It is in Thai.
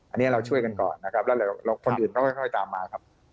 อันนี้เราช่วยกันก่อนนะครับแล้วคนอื่นก็ค่อยตามมาครับ